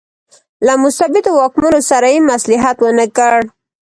له مستبدو واکمنو سره یې مصلحت ونکړ.